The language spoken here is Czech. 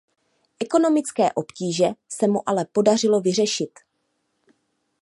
Ekonomické obtíže se mu ale podařilo vyřešit.